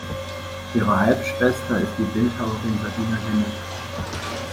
Ihre Halbschwester ist die Bildhauerin Sabina Grzimek.